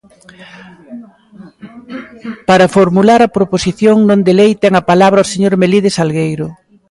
Para formular a proposición non de lei ten a palabra o señor Melide Salgueiro.